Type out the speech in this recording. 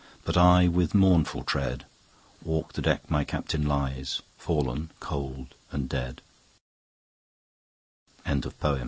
But I, with mournful tread, Walk the deck my Captain lies, Fallen cold and d